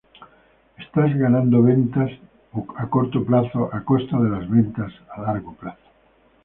Estás ganando ventas a corto plazo a costa de las ventas a largo plazo.